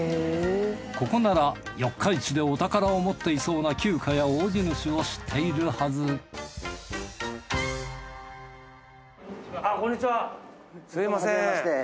ここなら四日市でお宝を持っていそうな旧家や大地主を知っているはずこんにちはすみません。